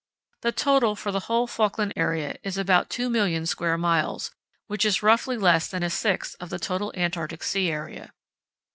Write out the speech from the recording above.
The total for the whole Falkland area is about 2,000,000 square miles, which is roughly less than a sixth of the total Antarctic sea area.